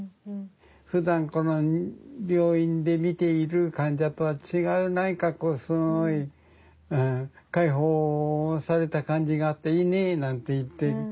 ふだんこの病院で見ている患者とは違う何かこう「開放された感じがあっていいね」なんて言って。